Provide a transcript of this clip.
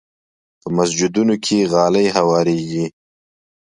په مسجدونو کې غالۍ هوارېږي.